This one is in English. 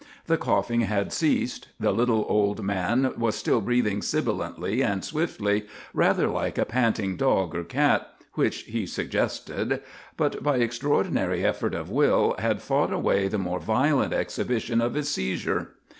The coughing had ceased. The little old man was still breathing sibilantly and swiftly, rather like a panting dog or cat, which he suggested, but by extraordinary effort of will had fought away the more violent exhibition of his seizure.